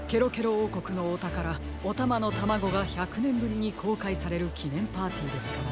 おうこくのおたからおたまのタマゴが１００ねんぶりにこうかいされるきねんパーティーですからね。